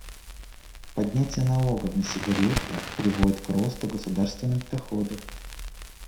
Поднятие налогов на сигареты приводит к росту государственных доходов.